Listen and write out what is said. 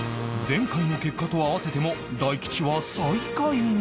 前回の結果と合わせても大吉は最下位に